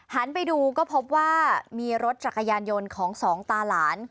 หันไปดูก็พบว่ามีรถจักรยานยนต์ของสองตาหลาน